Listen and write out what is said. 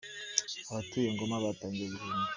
Abatuye Goma batangiye guhunga